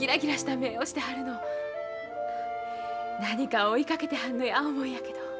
何かを追いかけてはんのや思うんやけど。